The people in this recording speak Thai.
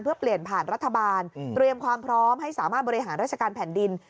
เพื่อเปลี่ยนผ่านรัฐบาลเตรียมความพร้อมให้สามารถบริหารราชการแผ่นดิน